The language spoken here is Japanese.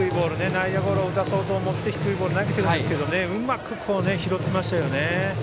内野ゴロを打たそうと思って低いボールを投げてるんですけどうまく拾ってましたよね。